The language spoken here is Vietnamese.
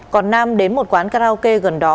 còn nam đến một quán karaoke gần đó